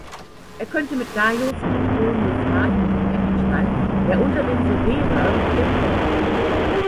Er könnte mit "Gaius Petronius Magnus" identisch sein, der unter den Severern Praetor war.